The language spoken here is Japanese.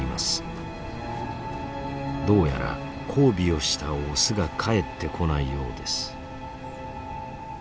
どうやら交尾をしたオスが帰ってこないようです。